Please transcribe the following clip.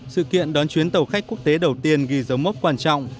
sự kiện đón chuyến tàu khách quốc tế đầu tiên ghi dấu mốc quan trọng